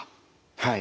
はい。